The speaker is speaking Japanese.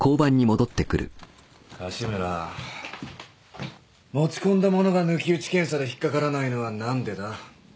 樫村持ち込んだものが抜き打ち検査で引っ掛からないのは何でだ？